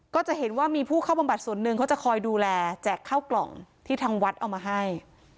ก็จะเห็นว่ามีผู้เข้าบำบัดส่วนหนึ่งเขาจะคอยดูแลแจกข้าวกล่องที่ทางวัดเอามาให้